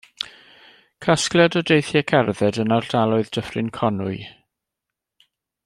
Casgliad o deithiau cerdded yn ardaloedd Dyffryn Conwy.